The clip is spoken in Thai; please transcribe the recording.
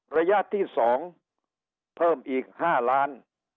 ระยะที่๒เพิ่มอีก๕ล้าน